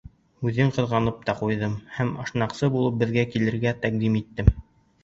Үҙен ҡыҙғанып та ҡуйҙым һәм ашнаҡсы булып беҙгә килергә тәҡдим иттем.